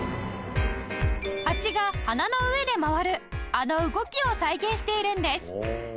ハチが花の上で回るあの動きを再現しているんです